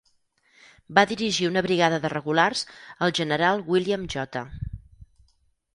Va dirigir una brigada de regulars al general William J.